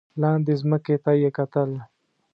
لاندې ځمکې ته یې کتل.